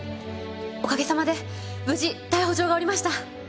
おかげさまで無事逮捕状が下りました。